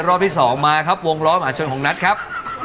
รอบที่๒มาครับวงล้อมหาชนของนัทครับ